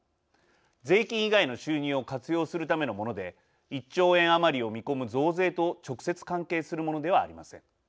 税金以外の収入を活用するためのもので１兆円余りを見込む増税と直接関係するものではありません。